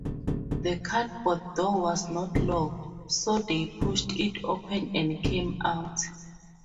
The cupboard door was not locked, so they pushed it open and came out.